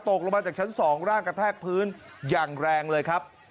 ตกลงมาจากชั้น๒ร่างกระแทกพื้นอย่างแรงเลยครับ